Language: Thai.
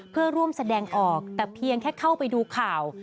เพื่อร่วมแสดงออกแต่เพียงแค่เข้าไปดูข่าว